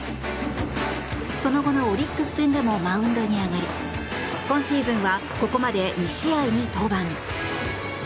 その後のオリックス戦でもマウンドに上がり今シーズンはここまで２試合に登板。